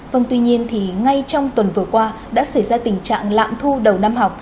vâng tuy nhiên thì ngay trong tuần vừa qua đã xảy ra tình trạng lạm thu đầu năm học